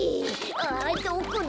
あどこだ！